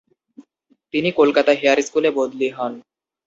তিনি কলকাতা হেয়ার স্কুলে বদলী হন।